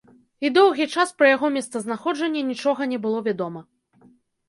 І доўгі час пра яго месцазнаходжанне нічога не было вядома.